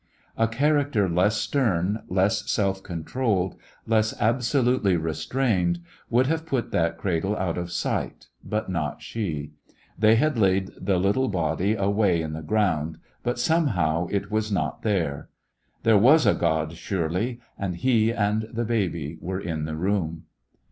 A character less stern, less self con trolled, less absolutely restrained, A Christmaa When would have put that cradle out of sight, but not she. They had laid the little body away in the ground, but somehow it was not there. There was a God, surely, and He and the baby were in the room.